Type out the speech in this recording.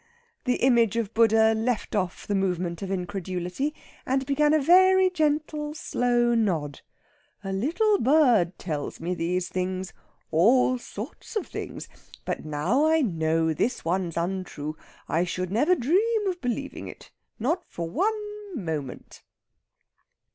The image of Buddha left off the movement of incredulity, and began a very gentle, slow nod. "A little bird tells me these things all sorts of things. But now I know this one's untrue I should never dream of believing it. Not for one moment."